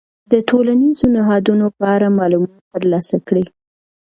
د ټولنیزو نهادونو په اړه معلومات ترلاسه کړئ.